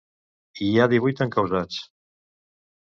Hi ha divuit encausats.